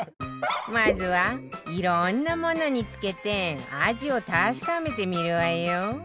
まずはいろんなものにつけて味を確かめてみるわよ